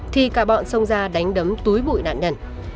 thì cả bọn xông ra đánh đấm túi bụi nạn nhân